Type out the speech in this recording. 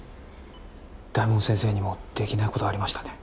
大門先生にも出来ない事がありましたね。